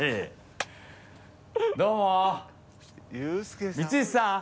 どうも。